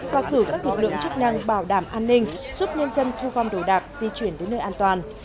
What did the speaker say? và cử các lực lượng chức năng bảo đảm an ninh giúp nhân dân thu gom đồ đạc di chuyển đến nơi an toàn